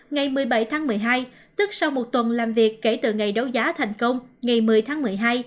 ngày một mươi bảy tháng một mươi hai tức sau một tuần làm việc kể từ ngày đấu giá thành công ngày một mươi tháng một mươi hai